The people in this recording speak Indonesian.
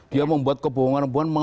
dia membuat kebohongan kebohongan